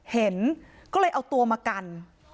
เห็นก็เลยเอาตัวมากัน